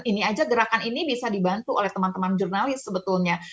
ini aja gerakan ini bisa dibantu oleh teman teman jurnalis sebetulnya